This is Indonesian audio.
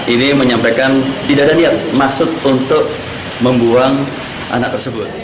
ini menyampaikan tidak ada niat maksud untuk membuang anak tersebut